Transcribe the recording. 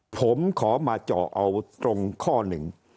ผมขอมาเจาะเอาตรงข้อหนึ่ง